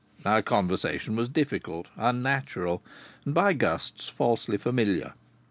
Our conversation was difficult, unnatural, and by gusts falsely familiar.